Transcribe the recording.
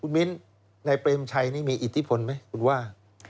คุณมินนายเปรมชัยมีอิทธิพลไหมคุณว่า